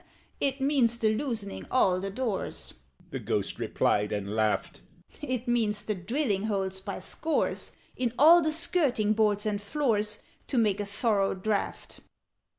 "It means the loosening all the doors," The Ghost replied, and laughed: "It means the drilling holes by scores In all the skirting boards and floors, To make a thorough draught.